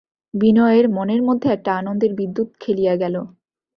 বিনয়ের মনের মধ্যে একটা আনন্দের বিদ্যুৎ খেলিয়া গেল।